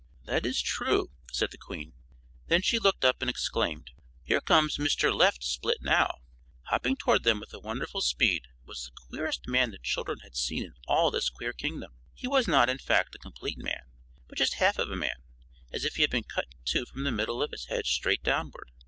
"That is true," said the Queen. Then she looked up and exclaimed. "Here comes Mr. Left Split now." Hopping toward them with wonderful speed was the queerest man the children had seen in all this queer kingdom. He was not, in fact, a complete man, but just half of a man, as if he had been cut in two from the middle of his head straight downward.